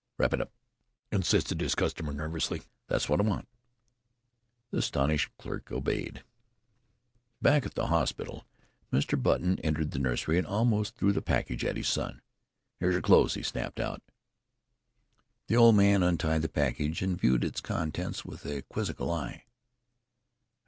"Wrap it up," insisted his customer nervously. "That's what I want." The astonished clerk obeyed. Back at the hospital Mr. Button entered the nursery and almost threw the package at his son. "Here's your clothes," he snapped out. The old man untied the package and viewed the contents with a quizzical eye.